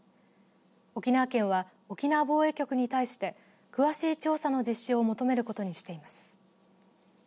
沖縄県は沖縄防衛局に対して詳しい調査の実施を求めることにしています。